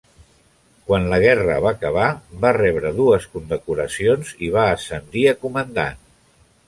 Quan la guerra va acabar, va rebre dues condecoracions i va ascendir a comandant.